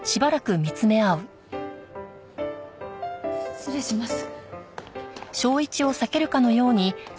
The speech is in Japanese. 失礼します。